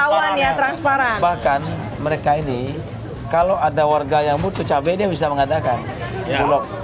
ketahuannya transparan bahkan mereka ini kalau ada warga yang butuh cabe bisa mengadakan dulo